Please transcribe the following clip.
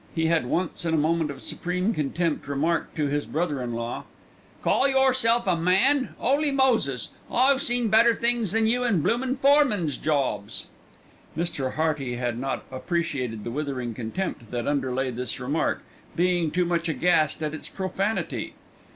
He had once in a moment of supreme contempt remarked to his brother in law: "Call yerself a man, 'Oly Moses! I've seen better things than you in bloomin' foremen's jobs!" Mr. Hearty had not appreciated the withering contempt that underlay this remark, being too much aghast at its profanity.